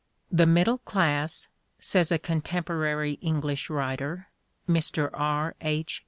"The middle class," says a contem porary English writer, Mr. R. H.